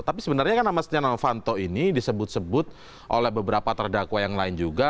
tapi sebenarnya kan nama stiano fanto ini disebut sebut oleh beberapa terdakwa yang lain juga